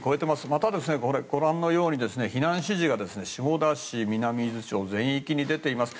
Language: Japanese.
また、ご覧のように避難指示が下田市、南伊豆町全域に出ています。